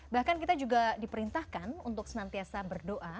bahkan kita juga diperintahkan untuk senantiasa berdoa